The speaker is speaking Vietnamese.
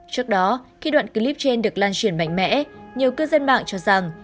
trước đó khi đoạn clip trên được lan truyền mạnh mẽ nhiều cư dân mạng cho rằng